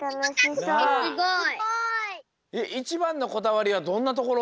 いちばんのこだわりはどんなところ？